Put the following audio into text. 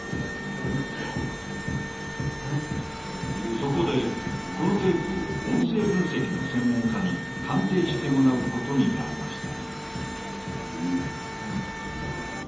そこでこのテープを音声分析の専門家に鑑定してもらうことになりました。